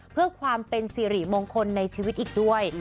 เพื่อความเป็นสิริมงคลในชีวิตอีกด้วย